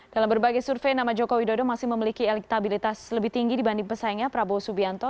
dalam berbagai survei nama jokowi dodo masih memiliki elektabilitas lebih tinggi dibanding pesaingnya prabowo subianto